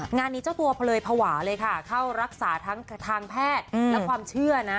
งานนี้เจ้าตัวเผลอยภาวะเลยค่ะเข้ารักษาทั้งทางแพทย์และความเชื่อนะ